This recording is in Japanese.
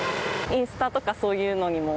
インスタとか、そういうのにも？